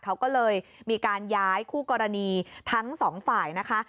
เขาก็เลยมีการย้ายคู่กรณีทั้งสองฝ่ายนะคะ